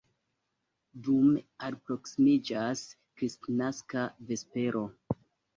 Dume alproksimiĝas kristnaska vespero.